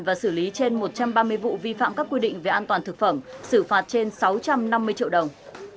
và xử lý trên một trăm ba mươi vụ vi phạm các quy định về an toàn thực phẩm xử phạt trên sáu trăm năm mươi triệu đồng